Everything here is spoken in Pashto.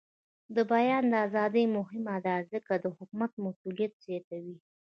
د بیان ازادي مهمه ده ځکه چې د حکومت مسؤلیت زیاتوي.